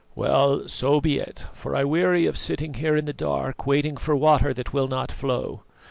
"Well, so be it; for I weary of sitting here in the dark waiting for water that will not flow.